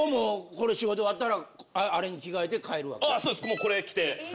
もうこれ着て。